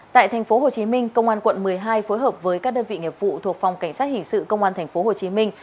tại thành phố hồ chí minh công an quận một mươi hai phối hợp với các đơn vị nghiệp vụ thuộc phòng cảnh sát hình sự công an thành phố hồ chí minh